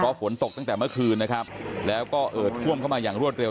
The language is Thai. เพราะฝนตกตั้งแต่เมื่อคืนนะครับแล้วก็เอิดท่วมเข้ามาอย่างรวดเร็